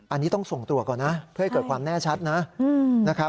อันนี้ต้องส่งตัวก่อนนะเพื่อให้เกิดความแน่ชัดนะครับ